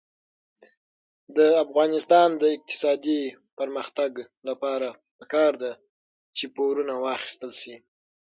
د افغانستان د اقتصادي پرمختګ لپاره پکار ده چې پورونه واخیستل شي.